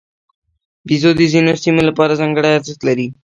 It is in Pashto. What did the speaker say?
بیزو د ځینو سیمو لپاره ځانګړی ارزښت لري.